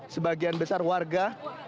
sebagian besar warga